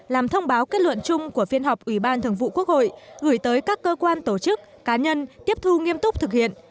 làm thông báo kết luận chung của phiên họp ủy ban thường vụ quốc hội gửi tới các cơ quan tổ chức cá nhân tiếp thu nghiêm túc thực hiện